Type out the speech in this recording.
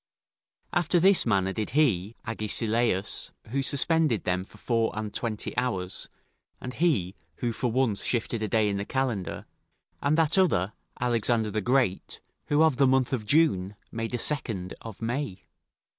After this manner did he [Agesilaus.] who suspended them for four and twenty hours, and he who, for once shifted a day in the calendar, and that other [Alexander the Great.] who of the month of June made a second of May.